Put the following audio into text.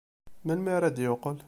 Melmi ara d-yeqqel?